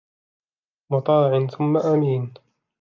مطاع ثم أمين